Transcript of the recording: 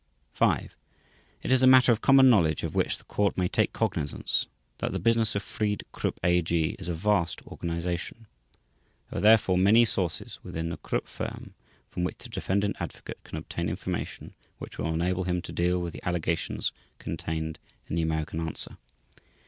v) It is a matter of common knowledge of which the Court may take cognisance that the business of Fried. Krupp A.G. is a vast organisation. There are, therefore, many sources within the Krupp firm from which the defending Advocate can obtain information which will enable him to deal with the allegations contained in the American Answer.